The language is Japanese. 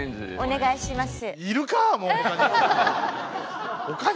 お願いします。